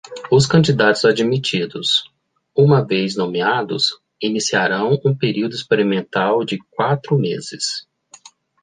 Os candidatos admitidos, uma vez nomeados, iniciarão um período experimental de quatro meses.